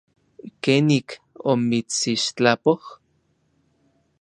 ¿Kenik omitsixtlapoj?